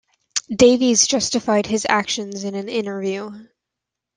Davies justified his actions in an interview.